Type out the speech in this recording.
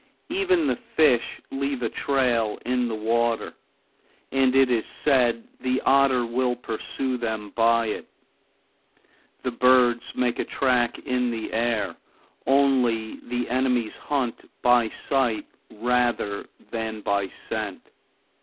Even the fish leave a trail in the water, and it is said the otter will pursue them by it. The birds make a track in the air, only their enemies hunt by sight rather than by scent.